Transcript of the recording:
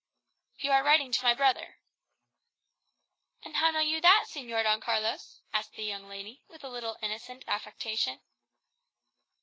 "You are writing to my brother." "And how know you that, Señor Don Carlos?" asked the young lady, with a little innocent affectation.